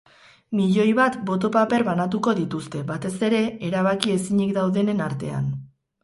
Milioi bat boto-paper banatuko dituzte, batez ere, erabaki ezinik daudenen artean.